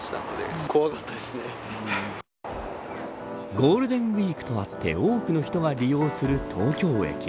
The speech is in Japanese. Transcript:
ゴールデンウイークとあって多くの人が利用する東京駅。